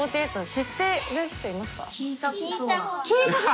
知ってる人いますか？